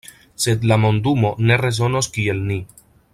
Sed la mondumo ne rezonos kiel ni.